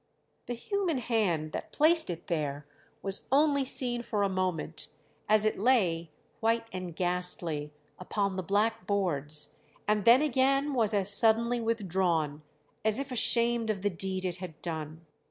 The human hand that placed it there was only seen for a moment, as it lay, white and ghastly, upon the black boards, and then again was as suddenly withdrawn, as if ashamed of the deed it had done.